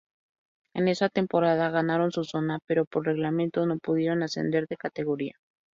En esa temporada ganaron su Zona, pero por reglamento no pudieron ascender de categoría.